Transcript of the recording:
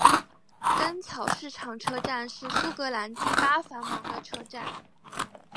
干草市场车站是苏格兰第八繁忙的车站。